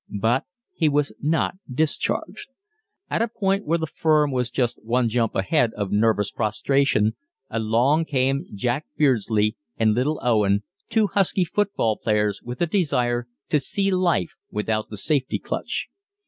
But he was not discharged. At a point where the firm was just one jump ahead of nervous prostration, along came "Jack" Beardsley and "Little" Owen, two husky football players with a desire to see life without the safety clutch.